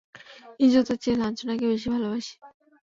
ইজ্জতের চেয়ে লাঞ্ছনাকে বেশী ভালবাসি।